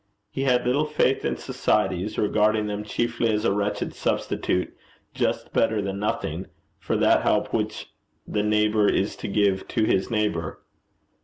He had little faith in societies, regarding them chiefly as a wretched substitute, just better than nothing, for that help which the neighbour is to give to his neighbour.